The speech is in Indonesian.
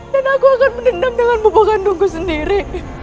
dan aku akan menendam dengan bopo kandungku sendiri